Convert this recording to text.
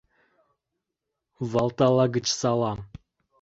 Валтала гыч салам.